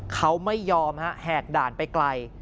เขาไม่ยอมฮะแหกด่านไปไกล